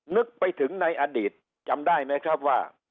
นึกไปถึงในอดีตจำได้ไหมครับว่า